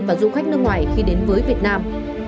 và du khách nước ngoài khi đến với việt nam